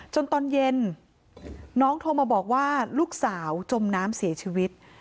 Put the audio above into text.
ตอนเย็นน้องโทรมาบอกว่าลูกสาวจมน้ำเสียชีวิต